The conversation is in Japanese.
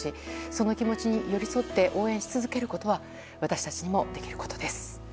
その気持ちに寄り添って応援し続けることは私たちにもできることです。